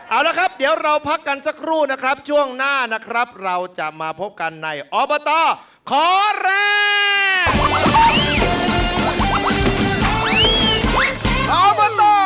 เอาละครับเดี๋ยวเราพักกันสักครู่นะครับช่วงหน้านะครับเราจะมาพบกันในอบตขอแรง